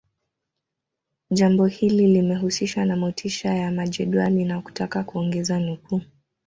Jambo hili limehusishwa na motisha ya majedwali ya kutaka kuongeza nukuu